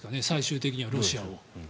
最終的にはロシアを。